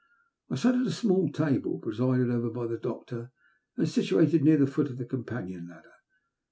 I sat at a small table presided over by the doctor, and situated near the foot of the companion ladder.